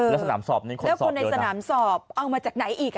แล้วสนามสอบนี้คนแล้วคนในสนามสอบเอามาจากไหนอีก